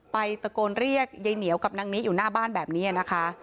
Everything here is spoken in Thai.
ตะโกนเรียกยายเหนียวกับนางนี้อยู่หน้าบ้านแบบนี้นะคะ